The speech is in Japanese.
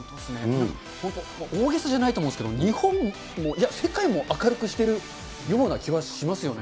だから本当、大げさじゃないと思うんですけど、日本も、いや、世界も明るくしてるような気はしますよね。